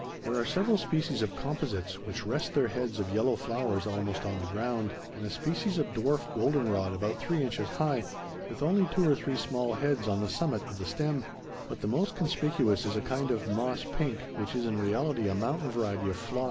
There are several species of composites which rest their heads of yellow flowers almost on the ground, and a species of dwarf golden rod about three inches high, with only two or three small heads on the summit of the stem; but the most conspicuous is a kind of moss pink, which is in reality a mountain variety of phlox.